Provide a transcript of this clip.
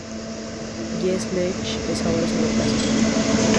Jesse Leach es ahora su reemplazo.